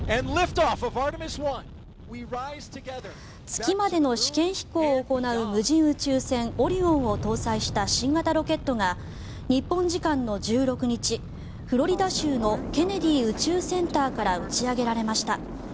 月までの試験飛行を行う無人宇宙船オリオンを搭載した新型ロケットが日本時間の１６日フロリダ州のケネディ宇宙センターから打ち上げられました。